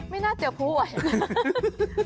ไม่น่าเจอภูอ่ะ